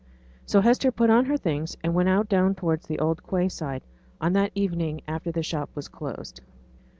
So Hester put on her things, and went out down towards the old quay side on that evening after the shop was closed.